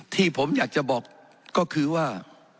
ที่ผมอยากจะบอกก็คือว่า